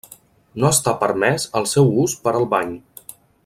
No està permès el seu ús per al bany.